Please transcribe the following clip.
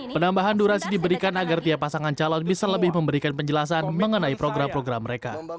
penambahan durasi diberikan agar tiap pasangan calon bisa lebih memberikan penjelasan mengenai program program mereka